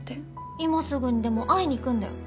今すぐにでも会いに行くんだよ。